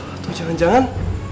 atau jangan jangan